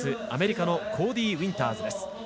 アメリカのコーディー・ウィンターズ。